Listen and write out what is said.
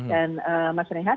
dan mas rihat